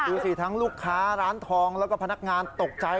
ดูสิทั้งลูกค้าร้านทองแล้วก็พนักงานตกใจ